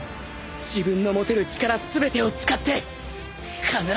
自分の持てる力全てを使って必ず勝つ！